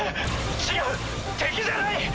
違う敵じゃない！